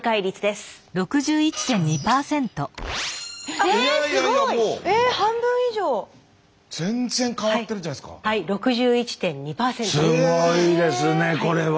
すごいですねこれは！